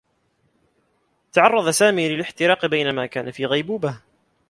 تعرّض سامي للاحتراق بينما كان في غيبوبة.